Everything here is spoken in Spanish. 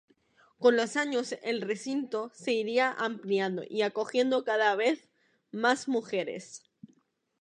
Con los años el recinto se iría ampliando y acogiendo cada vez más mujeres.